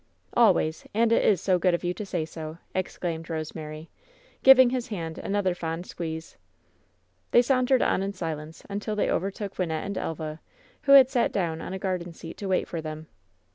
"Always! And it is so good of you to say so!" ex claimed Bosemary, giving his hand another fond squeeze. They sauntered on in silence until they overtook Wyn nette and Elva, who had sat down on a garden seat to wait for them.